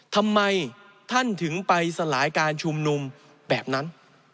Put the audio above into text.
ทำไมท่านถึงไปสลายการชุมนุมแบบนั้น